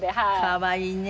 かわいいね。